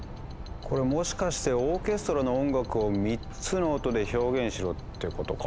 これもしかしてオーケストラの音楽を３つの音で表現しろってことか？